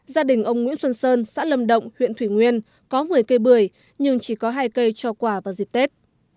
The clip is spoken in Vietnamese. gia đình ông nguyễn xuân sơn xã lâm động huyện thủy nguyên có một mươi cây bưởi nhưng chỉ có hai cây cho quả vào dịp tết